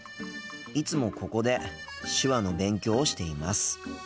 いつもここで手話の勉強をしています。